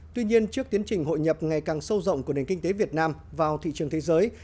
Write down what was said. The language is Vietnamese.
tuy nhiên trước tiến trình hội nhập ngày càng sâu rộng của nền kinh tế việt nam vào thị trường thế giới